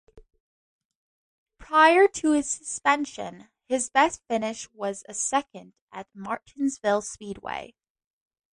Prior to his suspension, his best finish was a second at Martinsville Speedway.